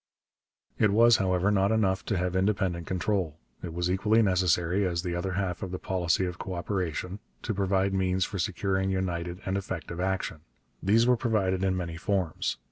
It was, however, not enough to have independent control. It was equally necessary, as the other half of the policy of co operation, to provide means for securing united and effective action. These were provided in many forms.